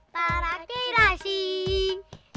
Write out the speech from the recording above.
para kira sih